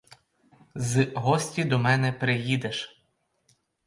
З гості до мене приїдеш.